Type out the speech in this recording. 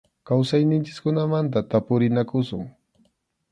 Kawsayninchikkunamanta tapurinakusun.